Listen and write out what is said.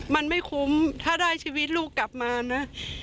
มันไม่คุ้มถ้าได้ชีวิตลูกกลับมานะ